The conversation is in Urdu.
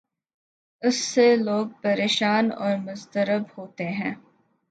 اس سے لوگ پریشان اور مضطرب ہوتے ہیں۔